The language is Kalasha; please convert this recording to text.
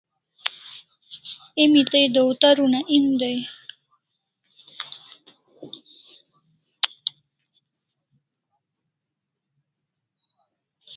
Emi tai dawtar una en dai